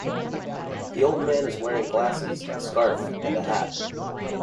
The old man is wearing glasses, a scarf, and a hat.